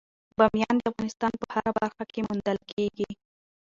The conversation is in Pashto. بامیان د افغانستان په هره برخه کې موندل کېږي.